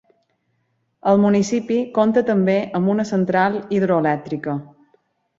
El municipi compta també amb una central hidroelèctrica.